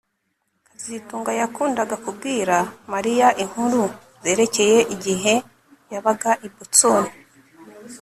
kazitunga yakundaga kubwira Mariya inkuru zerekeye igihe yabaga i Boston